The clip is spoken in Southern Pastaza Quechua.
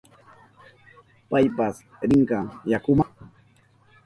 Paypas rinka yakuma.